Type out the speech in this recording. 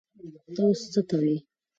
ته اوس څه کوې؟